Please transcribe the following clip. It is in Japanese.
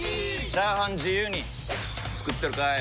チャーハン自由に作ってるかい！？